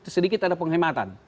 sedikit ada penghematan